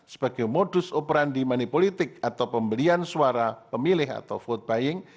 sebagai modus operandi manipolitik atau pembelian suara pemilih atau vote buying